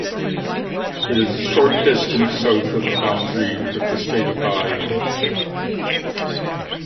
It is a short distance south of the boundary with the state of Bahia.